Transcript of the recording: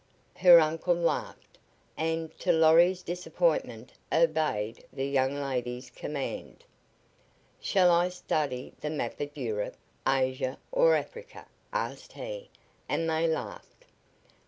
Her uncle laughed, and, to Lorry's disappointment, obeyed the young lady's command. "Shall I study the map of Europe, Asia or Africa?" asked he, and they laughed.